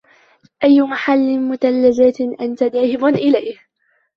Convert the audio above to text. أي مَحَل مثلجات أنتَ ذاهب إليه؟